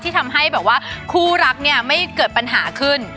ทำให้แบบว่าคู่รักเนี่ยไม่เกิดปัญหาขึ้น